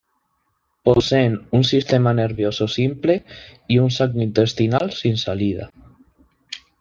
Poseen un sistema nervioso simple y un saco intestinal sin salida.